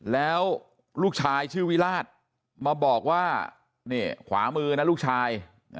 แล้วลูกชายชื่อวิราชมาบอกว่านี่ขวามือนะลูกชาย